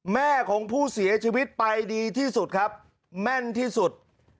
แม่ของผู้เสียชีวิตไปดีที่สุดครับแม่นที่สุด